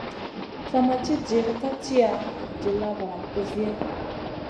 Sa ma ci dill ka tiya, dilla valam kusiya.